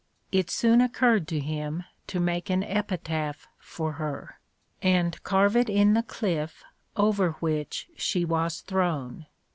It soon occurred to him to make an epitaph for her, and carve it in the cliff over which she was thrown.